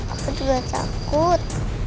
aku juga takut